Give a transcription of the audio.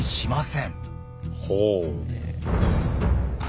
ほう。